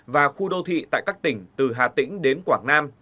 và khu đô thị tại các tỉnh từ hà tĩnh đến quảng nam